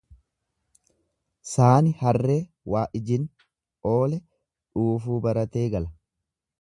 Saani harree waijin oole dhuufuu baratee gala.